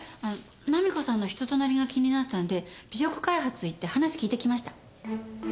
菜実子さんの人となりが気になったんで美食開発へ行って話聞いてきました。